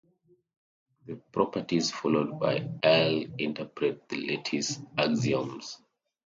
The properties followed by "L" interpret the lattice axioms.